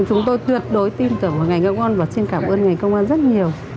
chúng tôi tuyệt đối tin tưởng về ngày công an và xin cảm ơn ngày công an rất nhiều